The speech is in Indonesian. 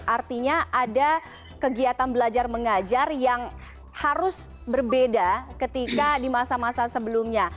artinya ada kegiatan belajar mengajar yang harus berbeda ketika di masa masa sebelumnya